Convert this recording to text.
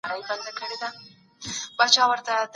ئې ټول بدمرغه کړو؛ که پوه نسو، نو تاریخ به موږ